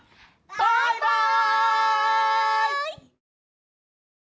バイバイ！